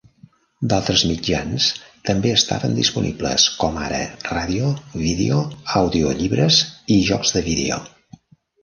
D'altres mitjans també estaven disponibles, com ara ràdio, vídeo, audiollibres i jocs de vídeo.